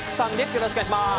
よろしくお願いします。